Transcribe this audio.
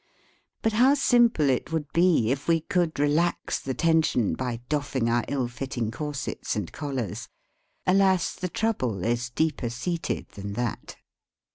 But how simple it would be if we could relax the tension by doffing our ill fitting corsets and collars! Alas! the trouble is deeper seated than that.